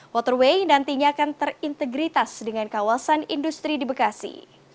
waterway nantinya akan terintegritas dengan kawasan industri di bekasi